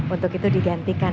untuk itu digantikan